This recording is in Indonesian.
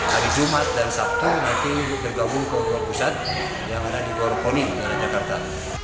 hari jumat dan sabtu nanti digabung ke dua pusat yang ada di gor koni di jakarta